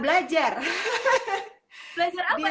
belajar apa tuh belajar apa tuh